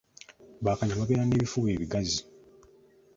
Bakanyama babeera n'ebifuba ebigazi.